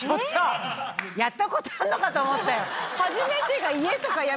やった事あんのかと思ったよ。